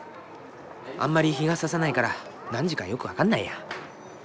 あんまり日がささないから何時かよく分かんないや。